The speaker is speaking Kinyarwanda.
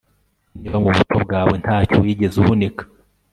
niba mu buto bwawe nta cyo wigeze uhunika